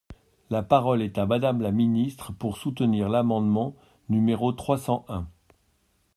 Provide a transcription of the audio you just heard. La parole est à Madame la ministre, pour soutenir l’amendement numéro trois cent un.